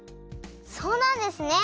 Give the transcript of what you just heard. そうなんですね！